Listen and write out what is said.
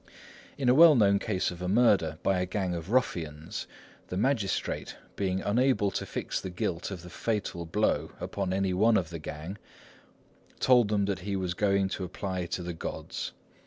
In a well known case of a murder by a gang of ruffians, the magistrate, being unable to fix the guilt of the fatal blow upon any one of the gang, told them that he was going to apply to the gods.